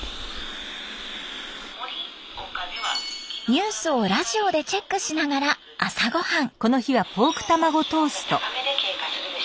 ニュースをラジオでチェックしながら朝ごはん。